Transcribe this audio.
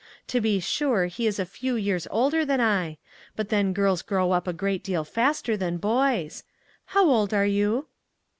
To be sure, he is a few years older than I; but then girls grow up a great deal faster than boys. How old are you